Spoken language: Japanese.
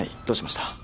どうしました？